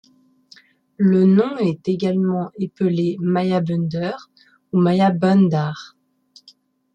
Le nom est également épelé Maya Bunder ou Maya Bandar.